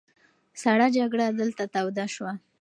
سړه جګړه دلته توده شوه.